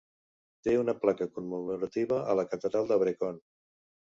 Té una placa commemorativa a la catedral de Brecon.